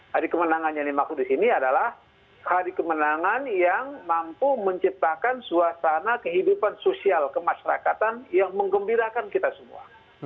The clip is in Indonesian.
hari kemenangan yang dimaksud di sini adalah hari kemenangan yang mampu menciptakan suasana kehidupan sosial kemasyarakatan yang mengembirakan kita semua